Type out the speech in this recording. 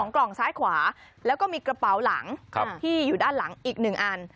กล่องซ้ายขวาแล้วก็มีกระเป๋าหลังที่อยู่ด้านหลังอีก๑อัน